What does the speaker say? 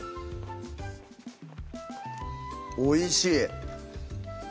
おいしい！